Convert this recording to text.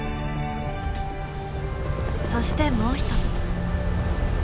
そしてもう一つ。